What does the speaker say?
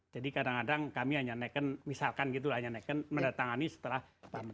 jadi kadang kadang kami hanya menaikkan misalkan gitu hanya menaikkan meneretang ini setelah pt pn pn